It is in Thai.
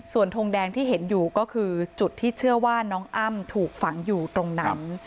ส่วนทงแดงที่เห็นอยู่ก็คือจุดที่เชื่อว่าน้องอ้ำถูกฝังอยู่ตรงนั้น